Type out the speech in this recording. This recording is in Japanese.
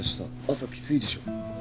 朝きついでしょ？